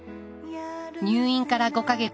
入院から５か月